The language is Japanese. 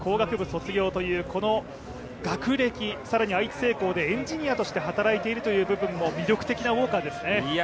卒業という学歴、更に愛知製鋼でエンジニアとしても働いているというのも魅力的なウォーカーですね。